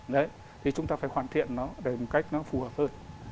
đấy thì chúng ta phải hoàn thiện nó để một cách nó phù hợp hơn